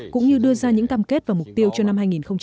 cũng như đưa ra những cam kết và mục tiêu cho năm hai nghìn hai mươi